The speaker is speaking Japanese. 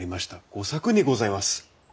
吾作にございます！